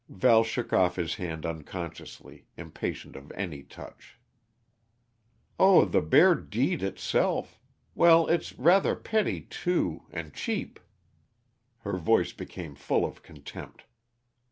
Val shook off his hand unconsciously, impatient of any touch. "Oh, the bare deed itself well, it's rather petty, too and cheap." Her voice became full of contempt.